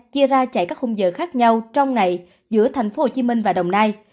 chia ra chạy các khung giờ khác nhau trong ngày giữa tp hcm và đồng nai